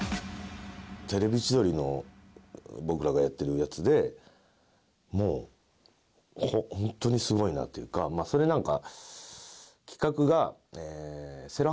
『テレビ千鳥』の僕らがやってるやつでもうホントにすごいなっていうかそれなんか。